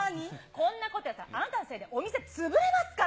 こんなことやってたら、あなたのせいでお店潰れますから。